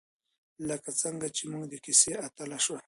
لکه څنګه چې زموږ د کیسې اتله شوه.